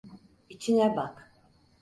İçine bak.